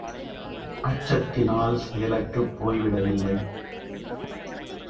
அச்சத்தினால் செயலற்றுப் போய்விடவில்லை.